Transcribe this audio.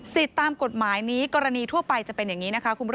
สิทธิตามกฎหมายนี้กรณีทั่วไปจะเป็นอย่างนี้นะคะ